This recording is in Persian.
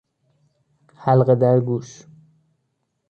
حلقه در گوش